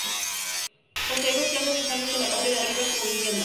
Posee dos plantas usándose la parte de arriba como vivienda.